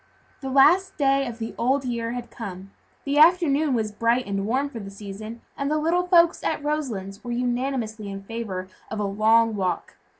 The last day of the old year had come; the afternoon was bright and warm for the season, and the little folks at Roselands were unanimously in favor of a long walk.